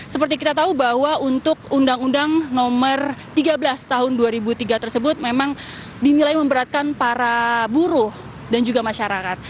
seperti kita tahu bahwa untuk undang undang nomor tiga belas tahun dua ribu tiga tersebut memang dinilai memberatkan para buruh dan juga masyarakat